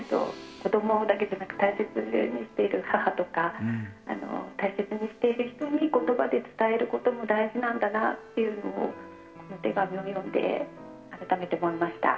子供だけじゃなくて大切に思っている母とか、大切にしている人に言葉で伝えることも大事なんだなっていうのをこの手紙を読んで改めて思いました。